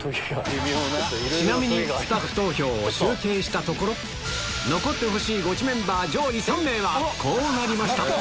ちなみにスタッフ投票を集計したところ、残ってほしいゴチメンバー上位３名はこうなりました。